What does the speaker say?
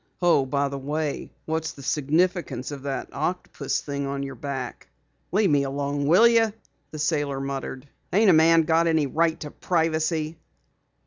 "Oh, by the way, what's the significance of that octopus thing on your back?" "Leave me alone, will you?" the sailor muttered. "Ain't a man got any right to privacy?"